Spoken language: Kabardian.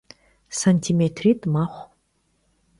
Santimêtrit' mexhu.